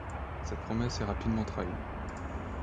Cette promesse est rapidement trahie.